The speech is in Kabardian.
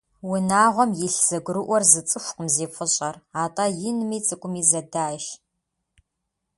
Унагъуэм илъ зэгурыӏуэр зы цӏыхукъым зи фӏыщӏэр, атӏэ инми цӏыкӏуми зэдайщ.